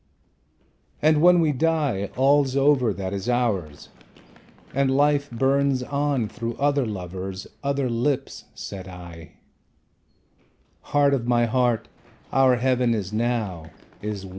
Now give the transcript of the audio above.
..." "And when we die All's over that is ours; and life burns on Through other lovers, other lips," said I, "Heart of my heart, our heaven is now, is won!"